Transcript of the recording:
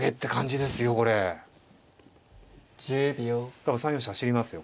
多分３四飛車走りますよ